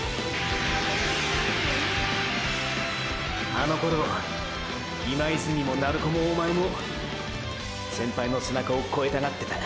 あの頃今泉も鳴子もおまえも先輩の背中を超えたがってた。